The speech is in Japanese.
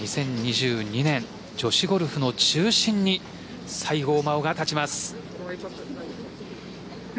２０２２年女子ゴルフの中心に西郷真央が立ちます。